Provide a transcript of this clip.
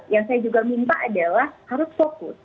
yang saya juga minta adalah harus fokus